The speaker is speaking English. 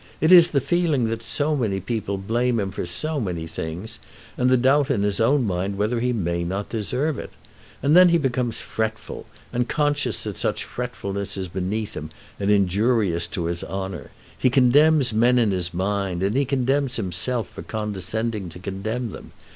It is the feeling that so many people blame him for so many things, and the doubt in his own mind whether he may not deserve it. And then he becomes fretful, and conscious that such fretfulness is beneath him and injurious to his honour. He condemns men in his mind, and condemns himself for condescending to condemn them.